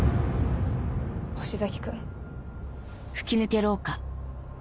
星崎君。